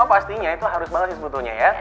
oh pastinya itu harus banget sebetulnya ya